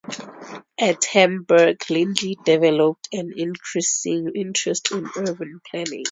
At Hamburg Lindley developed an increasing interest in urban planning.